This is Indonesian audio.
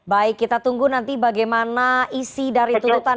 baik kita tunggu nanti bagaimana isi dari tuntutan